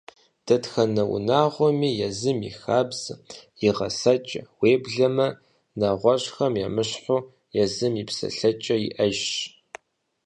Дэтхэнэ унагъуэми езым и хабзэ, и гъэсэкӀэ, уеблэмэ, нэгъуэщӀхэм емыщхьу, езым и псэлъэкӀэ иӀэжщ.